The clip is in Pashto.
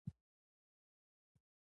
پیلوټ د فضا شرایط درک کوي.